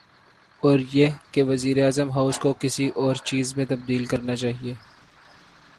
اوریہ کہ وزیراعظم ہاؤس کو کسی اورچیز میں تبدیل کرنا چاہیے۔